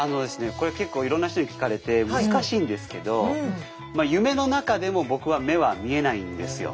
これ結構いろんな人に聞かれて難しいんですけど夢の中でも僕は目は見えないんですよ。